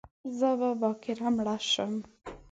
زه به باکره مړه شم